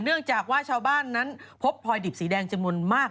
เนื่องจากว่าชาวบ้านนั้นพบพลอยดิบสีแดงจำนวนมาก